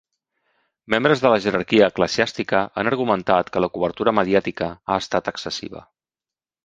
Membres de la jerarquia eclesiàstica han argumentat que la cobertura mediàtica ha estat excessiva.